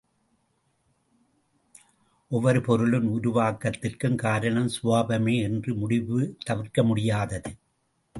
ஒவ்வொரு பொருளின் உருவாக்கத்திற்கும் காரணம் சுபாவமே என்ற முடிவு தவிர்க்க முடியாதது.